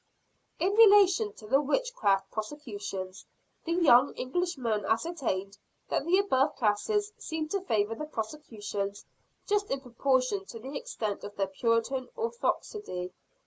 In relation to the Witchcraft prosecutions, the young Englishman ascertained that the above classes seemed to favor the prosecutions just in proportion to the extent of their Puritan orthodoxy.